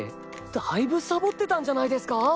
だいぶサボってたんじゃないですか！